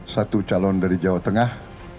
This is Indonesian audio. satu calon dari jawa tengah